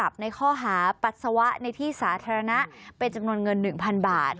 ในข้อหาปัสสาวะในที่สาธารณะเป็นจำนวนเงิน๑๐๐๐บาท